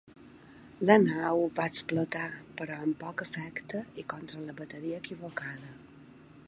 La nau va explotar, però amb poc efecte i contra la bateria equivocada.